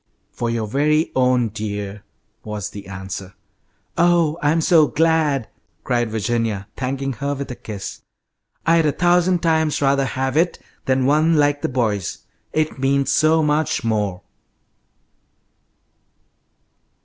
"For your very own, dear," was the answer. "Oh, I'm so glad!" cried Virginia, thanking her with a kiss. "I'd a thousand times rather have it than one like the boys'. It means so much more!"